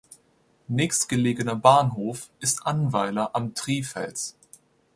Nächstgelegener Bahnhof ist Annweiler am Trifels.